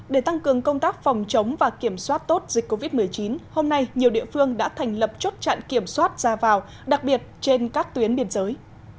để tăng cường công tác phòng chống và kiểm soát tốt dịch covid một mươi chín hôm nay nhiều địa phương đã thành lập chốt chặn kiểm soát ra vào đặc biệt trên các tuyến biên giới